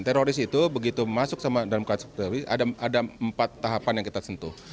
teroris itu begitu masuk dalam kasus teroris ada empat tahapan yang kita sentuh